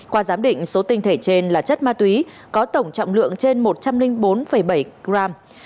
qua giám định số tinh thể trên là chất ma túy có tổng trọng lượng trên một trăm linh bốn bảy gram